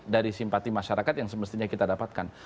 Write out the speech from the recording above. dari simpati masyarakat yang semestinya kita dapatkan